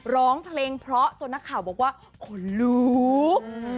ร้องเพลงเพราะจนนักข่าวบอกว่าขนลุก